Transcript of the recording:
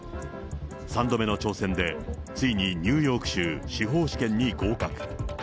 ３度目の挑戦で、ついにニューヨーク州司法試験に合格。